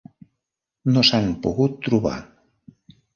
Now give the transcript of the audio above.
No s'han pogut trobar.